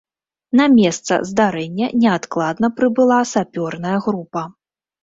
На месца здарэння неадкладна прыбыла сапёрная група.